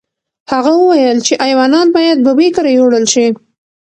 هغه وویل چې ایوانان باید ببۍ کره یوړل شي.